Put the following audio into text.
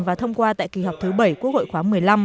và thông qua tại kỳ họp thứ bảy quốc hội khoáng một mươi năm